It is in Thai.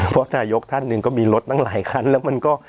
เพราะนายกท่านหนึ่งก็มีรถตั้งหลายคันแล้วมันก็